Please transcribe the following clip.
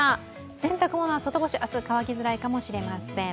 洗濯物は外干し、明日、乾きづらいかもしれません。